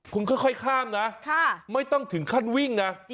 คุณค่อยข้ามนะไม่ต้องถึงขั้นวิ่งนะ